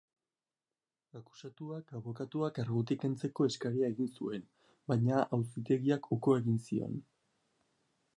Akusatuak abokatua kargutik kentzeko eskaria egin zuen, baina auzitegiak uko egin zion.